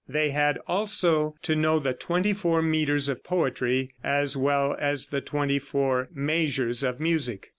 They had also to know the twenty four meters of poetry as well as the "twenty four measures of music."